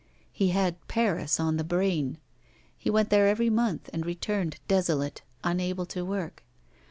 He had Paris on the brain; he went there every month and returned desolate, unable to work.